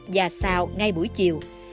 và xào ngay buổi chiều